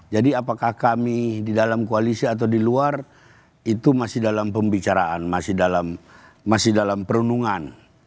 jadi apakah kami di dalam koalisi atau di luar itu masih dalam pembicaraan masih dalam perenungan